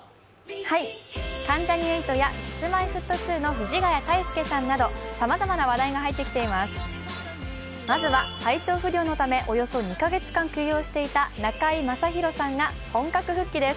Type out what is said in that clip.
関ジャニ∞やＫｉｓ−Ｍｙ−Ｆｔ２の藤ヶ谷太輔さんなどさまざまな話題が入ってきています。